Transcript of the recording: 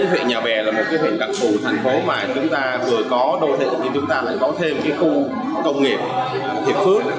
huyện nhà bè là một huyện đặc phù thành phố mà chúng ta vừa có đô thị thì chúng ta lại báo thêm khu công nghiệp hiệp phước